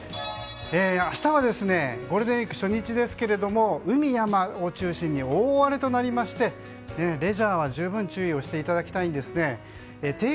明日はゴールデンウィーク初日ですけども海、山を中心に大荒れとなりましてレジャーは十分に注意をしていただきたいんですね。